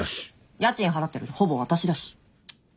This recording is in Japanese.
家賃払ってるのほぼ私だし。